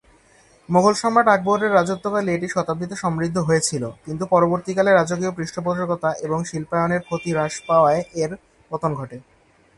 মোঘল সম্রাট আকবরের রাজত্বকালে এটি শতাব্দীতে সমৃদ্ধ হয়েছিল, কিন্তু পরবর্তীকালে রাজকীয় পৃষ্ঠপোষকতা এবং শিল্পায়নের ক্ষতি হ্রাস পাওয়ায় এর পতন ঘটে।